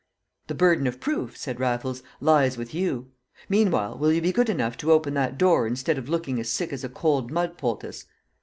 "The burden of proof," said Raffles, "lies with you. Meanwhile, will you be good enough to open that door instead of looking as sick as a cold mud poultice?"